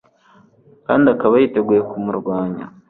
kandi akaba yiteguye kumurwanya